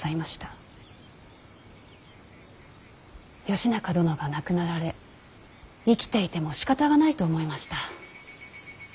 義仲殿が亡くなられ生きていてもしかたがないと思いました。